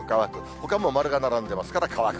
ほかも丸が並んでますから、乾く。